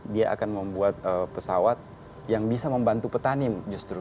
dia akan membuat pesawat yang bisa membantu petani justru